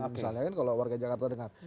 misalnya kan kalau warga jakarta dengar